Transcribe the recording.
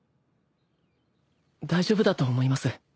大丈夫だと思います。